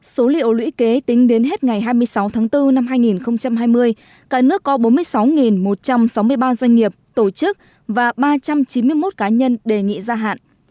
số liệu lũy kế tính đến hết ngày hai mươi sáu tháng bốn năm hai nghìn hai mươi cả nước có bốn mươi sáu một trăm sáu mươi ba doanh nghiệp tổ chức và ba trăm chín mươi một cá nhân đề nghị gia hạn